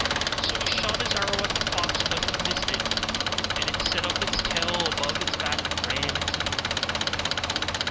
So he shot his arrow at the fox; but he missed it, and it set up its tail above its back and ran into the wood.